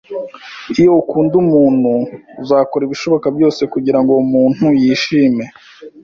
Iyo ukunda umuntu, uzakora ibishoboka byose kugirango uwo muntu yishime